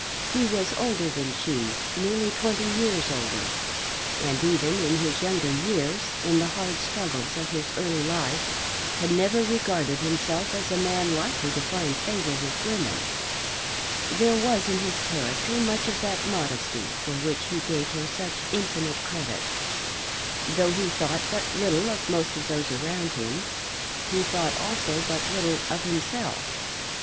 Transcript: He was older than she, nearly twenty years older, and even in his younger years, in the hard struggles of his early life, had never regarded himself as a man likely to find favour with women. There was in his character much of that modesty for which he gave her such infinite credit. Though he thought but little of most of those around him, he thought also but little of himself.